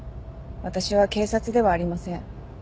私は警察ではありません。